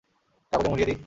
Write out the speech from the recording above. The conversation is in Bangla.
কাগজে মুড়িয়ে দিই?